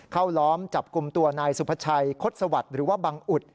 เข้าร้อมจับกลุ่มตัวนายสุภัยคสวรรค์หรือว่าบังอุทธิ์